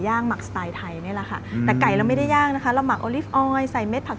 กับน้ำจิ้มที่เป็นน้ำจิ้มก้มตำ